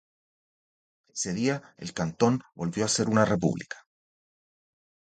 Ese día el cantón volvió a ser una república.